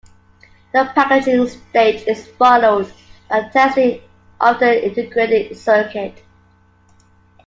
The packaging stage is followed by testing of the integrated circuit.